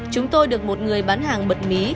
chúng tôi được một người bán hàng bật mí